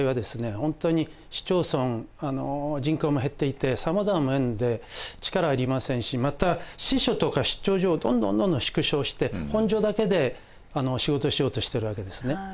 本当に市町村人口も減っていてさまざまな面で力入りませんしまた支所とか出張所をどんどんどんどん縮小して本庁だけで仕事しようとしてるわけですね。